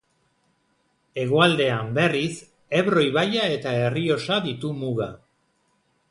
Hegoaldean, berriz, Ebro ibaia eta Errioxa ditu muga.